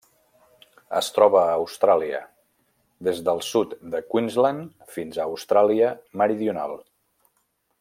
Es troba a Austràlia: des del sud de Queensland fins a Austràlia Meridional.